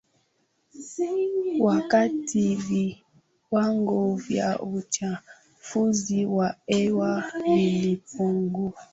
wakati viwango vya uchafuzi wa hewa vilipungua